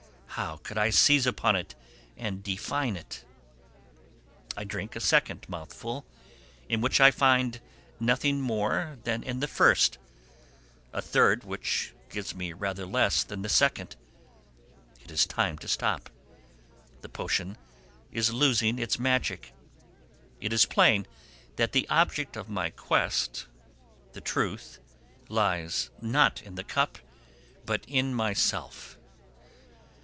How could I seize upon and define it? I drink a second mouthful, in which I find nothing more than in the first, a third, which gives me rather less than the second. It is time to stop; the potion is losing its magic. It is plain that the object of my quest, the truth, lies not in the cup but in myself.